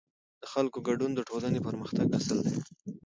د خلکو ګډون د ټولنې پرمختګ اصل دی